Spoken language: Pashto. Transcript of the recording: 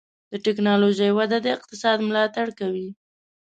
د ټکنالوجۍ وده د اقتصاد ملاتړ کوي.